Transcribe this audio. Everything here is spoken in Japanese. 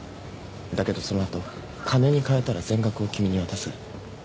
だけどその後金に換えたら全額を君に渡す。